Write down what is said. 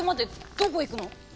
どこ行くの？